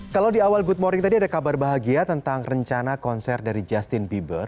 kalau di awal good morning tadi ada kabar bahagia tentang rencana konser dari justin bieber